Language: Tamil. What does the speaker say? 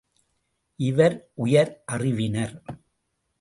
இவர் உயர் அறிவினர்!